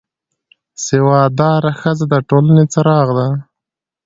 سواد داره ښځه د ټولنې څراغ ده